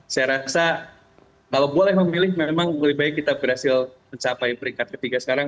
saya rasa kalau boleh memilih memang lebih baik kita berhasil mencapai peringkat ketiga sekarang